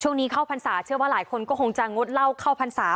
เข้าพรรษาเชื่อว่าหลายคนก็คงจะงดเหล้าเข้าพรรษา